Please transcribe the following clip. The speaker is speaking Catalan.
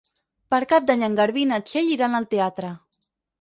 Per Cap d'Any en Garbí i na Txell iran al teatre.